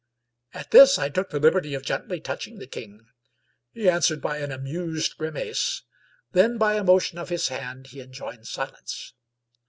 At this I took the liberty of gently touching the king. He answered by an amused grimace ; then by a motion of his hand he enjoined silence.